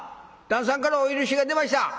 旦さんからお許しが出ました。